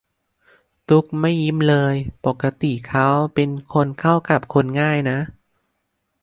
ตุ้กไม่ยิ้มเลยปกติเขาเป็นคนเข้ากับคนง่ายนะ